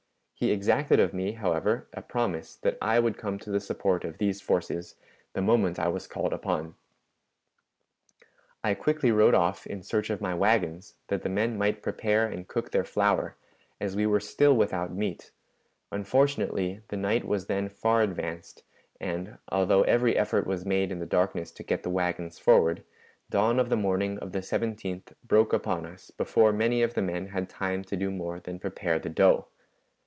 He exacted of me, however, a promise that I would come to the support of these forces the moment I was called upon. I quickly rode off in search of my wagons that the men might prepare and cook their flour, as we were still without meat; unfortunately, the night was then far advanced, and, although every effort was made in the darkness to get the wagons forward, dawn of the morning of the 17th broke upon us before many of the men had time to do more than prepare the dough.